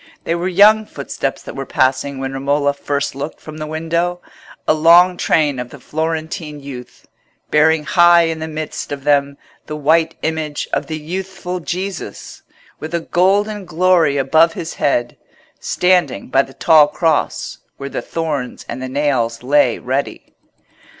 They were young footsteps that were passing when Romola first looked from the window—a long train of the Florentine youth, bearing high in the midst of them the white image of the youthful Jesus, with a golden glory above his head, standing by the tall cross where the thorns and the nails lay ready.